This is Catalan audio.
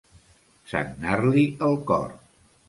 Sagnar-li el cor.